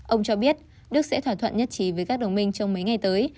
ông cho biết đức sẽ thỏa thuận nhất trí với các đồng minh trong mấy ngày tới